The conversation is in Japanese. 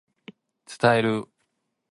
伝える